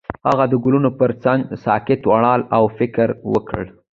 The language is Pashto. هغه د ګلونه پر څنډه ساکت ولاړ او فکر وکړ.